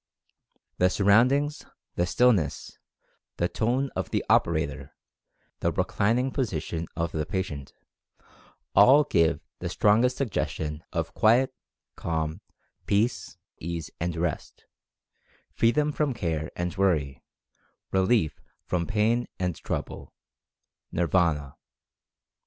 The surroundings, the still 94 Mental Fascination ness, the tone of the operator, the reclining position of the patient, all give the strongest suggestion of quiet, calm, peace, ease and rest, freedom from care and worry, relief from pain and trouble, — Nirvana.